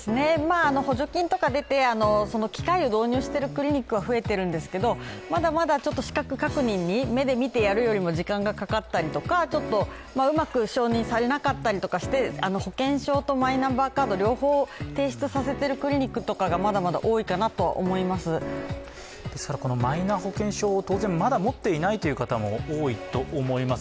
補助金とか出て、機械を導入しているクリニックは増えているんですけどまだまだ資格確認にまだまだ目で見てやるのに時間がかかったりとか、うまく承認されなかったりして保険証とマイナンバーカード両方提出させてるクリニックがマイナ保険証を当然まだ持っていないという方も多いと思います。